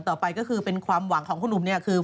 ต่อไปก็คือเป็นความหวังของคุณหนุ่มเนี่ยคือ